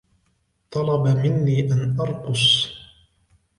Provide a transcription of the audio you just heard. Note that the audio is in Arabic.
طلب مني أن أرقص.